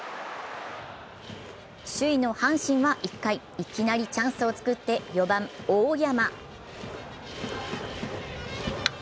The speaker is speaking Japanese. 首位の阪神は１回いきなりチャンスを作って４番・大山。